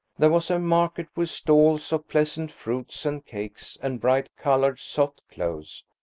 There was a market with stalls of pleasant fruits and cakes and bright coloured, soft clothes.